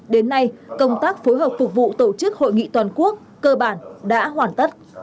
đến nay công tác phối hợp phục vụ tổ chức hội nghị toàn quốc cơ bản đã hoàn tất